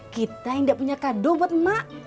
kita yang gak punya kado buat emak